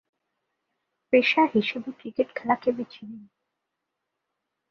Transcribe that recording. পেশা হিসেবে ক্রিকেট খেলাকে বেছে নেন।